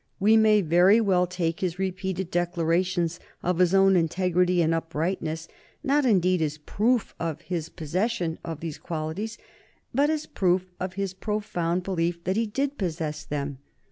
We may very well take his repeated declarations of his own integrity and uprightness, not, indeed, as proof of his possession of those qualities, but as proof of his profound belief that he did possess them.